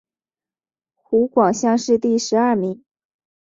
湖广乡试第十二名。